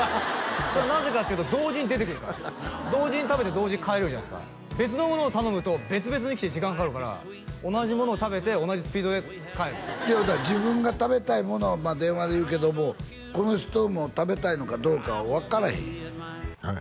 それはなぜかっていうと同時に出てくるから同時に食べて同時に帰れるじゃないですか別のものを頼むと別々に来て時間かかるから同じものを食べて同じスピードで帰るいうたら自分が食べたいものは電話で言うけどもこの人も食べたいのかどうかは分からへんやん